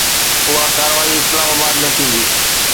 اها ڪارروائي اسلام آباد ۾ ٿيندي.